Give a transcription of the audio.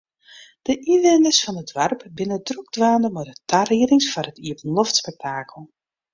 De ynwenners fan it doarp binne drok dwaande mei de tariedings foar it iepenloftspektakel.